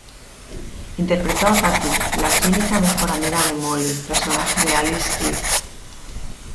Interpretó a Patty, la cínica mejor amiga de Molly, personaje de Alice Eve.